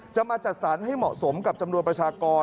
มาจัดสรรให้เหมาะสมกับจำนวนประชากร